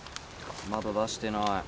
まだ出してない。